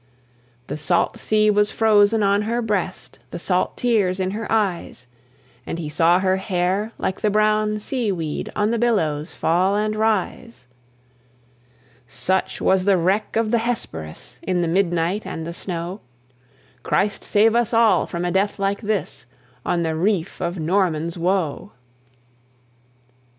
The salt sea was frozen on her breast, The salt tears in her eyes; And he saw her hair, like the brown sea weed, On the billows fall and rise. Such was the wreck of the Hesperus, In the midnight and the snow! Christ save us all from a death like this, On the reef of Norman's Woe!